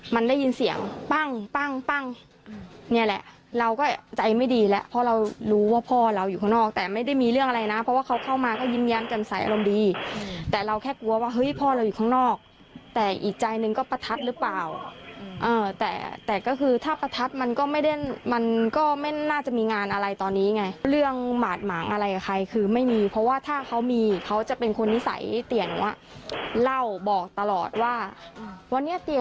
มันได้ยินเสียงปั้งนี่แหละเราก็ใจไม่ดีแล้วเพราะเรารู้ว่าพ่อเราอยู่ข้างนอกแต่ไม่ได้มีเรื่องอะไรนะเพราะว่าเขาเข้ามาก็ยิ้มแย้มเต็มใสอารมณ์ดีแต่เราแค่กลัวว่าเฮ้ยพ่อเราอยู่ข้างนอกแต่อีกใจนึงก็ประทัดหรือเปล่าแต่ก็คือถ้าประทัดมันก็ไม่ได้มันก็ไม่น่าจะมีงานอะไรตอนนี้ไงเรื่องหมาดหมางอะไรกับใครคื